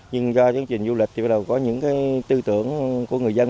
nhưng do chương trình du lịch thì bắt đầu có những tư tưởng của người dân